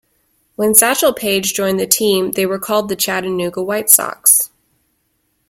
When Satchel Paige joined the team they were called the Chattanooga White Sox.